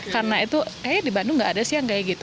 karena itu eh di bandung gak ada sih yang kayak gitu